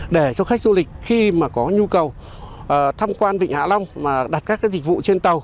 để cho khách du lịch khi mà có nhu cầu tham quan vịnh hạ long mà đặt các dịch vụ trên tàu